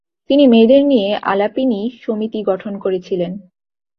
তিনি মেয়েদের নিয়ে আলাপিনী সমিতি গঠন করেছিলেন।